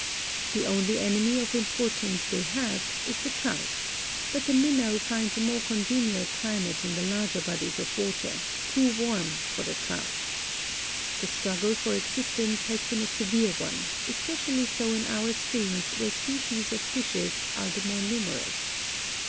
The only enemy of importance they have is the trout, but the minnow finds a more congenial climate in the larger bodies of water, too warm for the trout. The struggle for existence has been a severe one, especially so in our streams where species of fish are the more numerous.